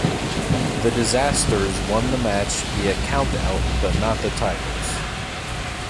The Disasters won the match via count out but not the titles.